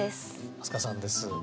飛鳥さんです。